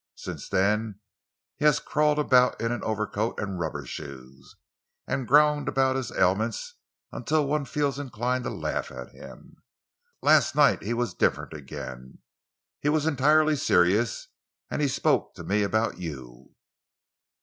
Since then he has crawled about in an overcoat and rubber shoes, and groaned about his ailments until one feels inclined to laugh at him. Last night he was different again. He was entirely serious, and he spoke to me about you."